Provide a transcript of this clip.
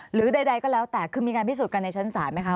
หรือใดก็แล้วแต่คือมีการพิสูจนกันในชั้นศาลไหมคะ